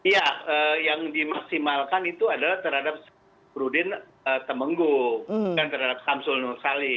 ya yang dimaksimalkan itu adalah terhadap rudin temenggu dan terhadap samsul nusalin